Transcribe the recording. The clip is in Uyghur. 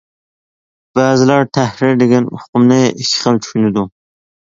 بەزىلەر «تەھرىر» دېگەن ئۇقۇمنى ئىككى خىل چۈشىنىدۇ.